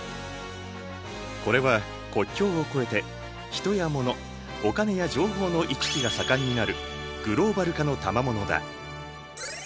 これは国境を越えて人や物お金や情報の行き来が盛んになるグローバル化のたまものだ。